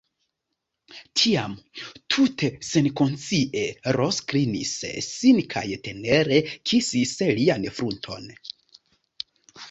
Tiam tute senkonscie Ros klinis sin kaj tenere kisis lian frunton.